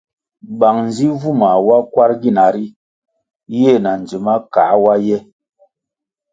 Bang nzi vumah wa kwar gina ri yeh nah ndzima kah wa yeh.